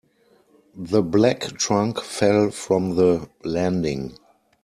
The black trunk fell from the landing.